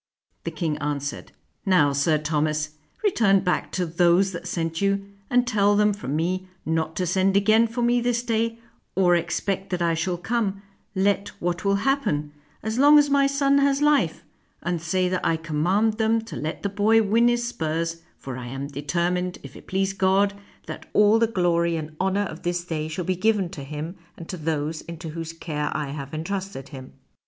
The king answered, "Now, Sir Thomas, return back to those that sent you, and tell them from me not to send again for me this day or expect that I shall come, let what will happen, as long as my son has life; and say that I com mand them to let the boy win his spurs, for I am deter mined, if it please God, that all the glory and honor of this day shall be given to him and to those into whose care I have entrusted him."